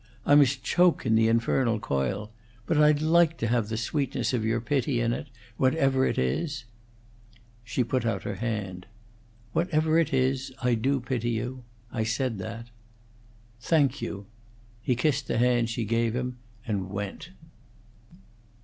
I must choke in the infernal coil, but I'd like to have the sweetness of your pity in it whatever it is." She put out her hand. "Whatever it is, I do pity you; I said that." "Thank you." He kissed the hand she gave him and went.